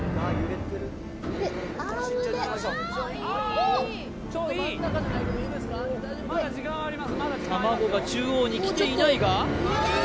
アームで卵が中央に来ていないが？